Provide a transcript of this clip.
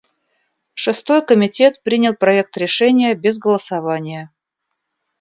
Шестой комитет принял проект решения без голосования.